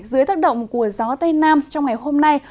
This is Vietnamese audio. dưới tác động của gió tây nam trong ngày hôm nay